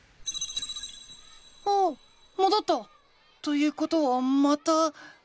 おおっもどった！ということはまた。